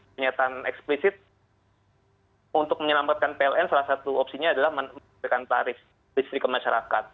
kenyataan eksplisit untuk menyelamatkan pln salah satu opsinya adalah menempelkan tarif listrik ke masyarakat